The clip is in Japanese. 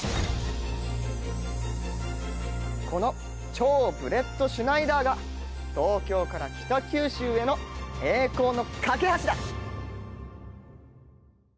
この超ブレットシュナイダーが東京から北九州への栄光の架け橋だ！